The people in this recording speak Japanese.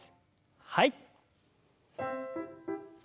はい。